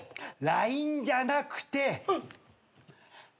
ＬＩＮＥじゃなくて。